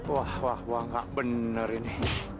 wah wah wah enggak bener ini